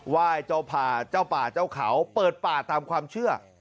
ไหว้เจ้าผ่าเจ้าป่าเจ้าเขาเปิดป่าตามความเชื่อ